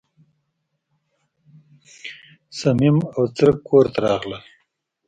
صمیم او څرک کور ته راغلل.